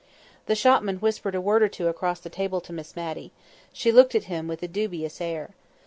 The shopman whispered a word or two across the table to Miss Matty. She looked at him with a dubious air.